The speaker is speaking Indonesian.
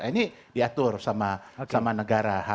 ini diatur sama negara